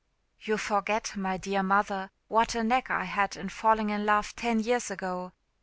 "You forget, my dear mother, what a knack I had in falling in love ten years ago.